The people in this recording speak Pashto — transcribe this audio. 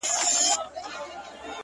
• خدای په خپل قلم یم په ازل کي نازولی ,